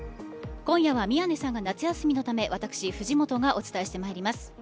今夜は宮根さんが夏休みのため私、藤本がお伝えしてまいります。